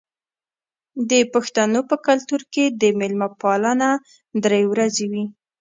د پښتنو په کلتور کې د میلمه پالنه درې ورځې وي.